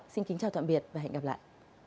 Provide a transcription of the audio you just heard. xin kính chào tạm biệt và hẹn gặp lại